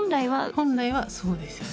本来はそうですよね。